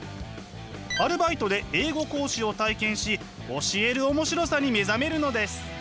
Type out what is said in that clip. アルバイトで英語講師を体験し教える面白さに目覚めるのです。